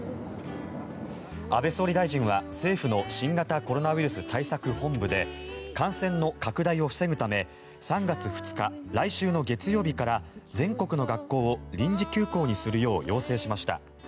安倍総理大臣は政府の新型コロナウイルス対策本部で感染の拡大を防ぐため３月２日、来週の月曜日から全国の学校を臨時休校にするよう要請しました。